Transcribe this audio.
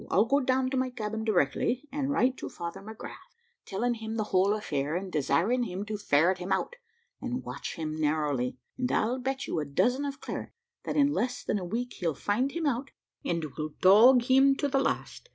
I'll go down to my cabin directly, and write to Father McGrath, telling him the whole affair, and desiring him to ferret him out, and watch him narrowly, and I'll bet you a dozen of claret, that in less than a week he'll find him out, and will dog him to the last.